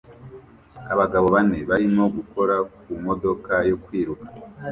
Abagabo bane barimo gukora ku modoka yo kwiruka